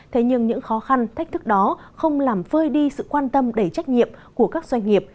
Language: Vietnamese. thế nhưng những khó khăn thách thức đó không làm phơi đi sự quan tâm đầy trách nhiệm của các doanh nghiệp